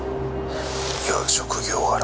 「いや職業柄」